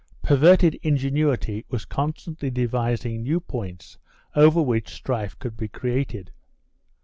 2 Perverted ingenuity was constantly devising new points over which strife could be created.